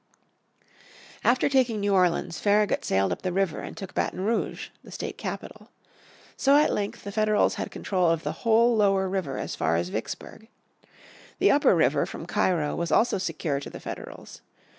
After taking New Orleans Farragut sailed up the river and took Baton Rouge, the state capital. So at length the Federals had control of the whole lower river as far as Vicksburg. The upper river from Cairo was also secure to the Federals.